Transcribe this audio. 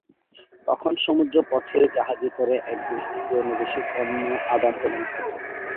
তখন, সমুদ্র পথে জাহাজে করে এক দেশ থেকে অন্য দেশে পণ্য আদান-প্রদান হতো।